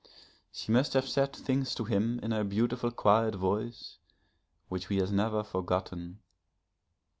She must have said things to him in her beautiful quiet voice which he has never forgotten.